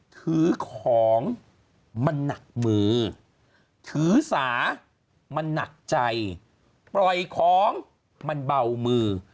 ถือของมันหนักมือถือสามันหนักใจปล่อยของมันเบามือ